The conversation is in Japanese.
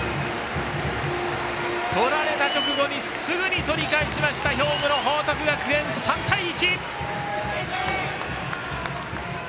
取られた直後にすぐに取り返しました兵庫の報徳学園、３対１。